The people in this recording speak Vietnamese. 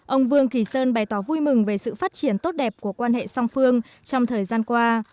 ông vương kỳ sơn bày tỏ vui mừng về sự phát triển tốt đẹp của quan hệ song phương trong thời gian qua